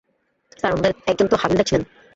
Sir, ওনাদের একজন তো হাবিলদার ছিলেন।